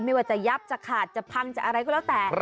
ไม่ว่าจะยับจะขาดจะพังจะอะไรก็แล้วแต่